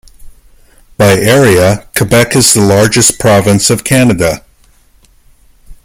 By area, Quebec is the largest province of Canada.